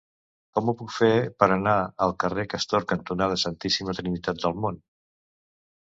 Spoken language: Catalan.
Com ho puc fer per anar al carrer Castor cantonada Santíssima Trinitat del Mont?